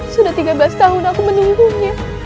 sudah tiga belas tahun aku menunggunya